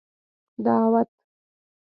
دعوت